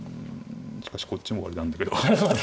しかしこっちも終わりなんだけど。